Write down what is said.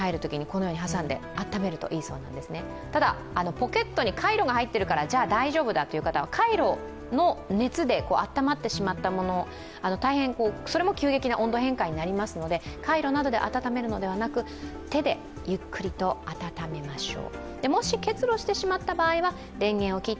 ポケットにカイロが入ってるから大丈夫だという方、カイロの熱で温まってしまったものそれも急激な温度変化になりますので、カイロなどで温めるのでなく手でゆっくりと温めましょう。